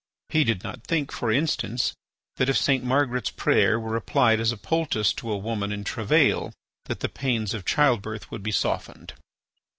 He did not think, for instance, that if St. Margaret's prayer were applied as a poultice to a woman in travail that the pains of childbirth would be softened.